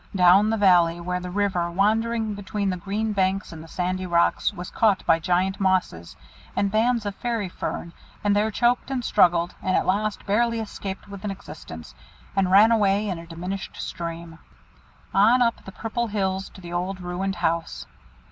Down the valley, where the river, wandering between the green banks and the sandy rocks, was caught by giant mosses, and bands of fairy fern, and there choked and struggled, and at last barely escaped with an existence, and ran away in a diminished stream. On up the purple hills to the old ruined house.